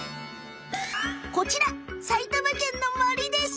こちら埼玉けんの森です。